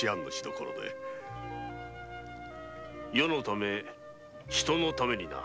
世のため人のためにな。